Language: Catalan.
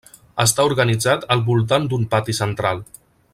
Està organitzat al voltant d'un pati central.